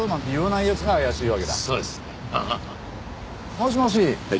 もしもし。